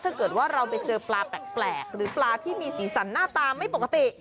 ถ้าเกิดว่าเราไปเจอปลาแปลกหรือปลาที่มีสีสันหน้าตาไม่ปกติ